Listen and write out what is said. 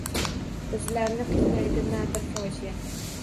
Bizlarni qiynaydi na bir fojia